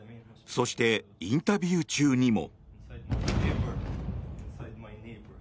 そしてインタビュー中にも。